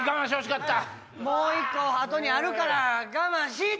もう１個後にあるから我慢しい！